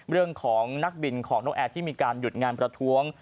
เรื่องของนักบินของนกแอร์ที่มีการหยุดงานประท้วง